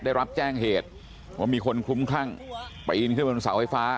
ได้รับแจ้งเหตุว่ามีคนคุ้มข้างไปอินขึ้นเป็นเสาไฟฟ้า